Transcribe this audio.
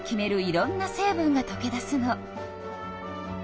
いろんな成分がとけ出すの。